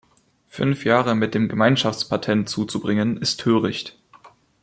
Fünf Jahre mit dem Gemeinschaftspatent zuzubringen ist töricht.